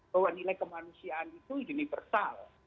bahwa nilai kemanusiaan itu universal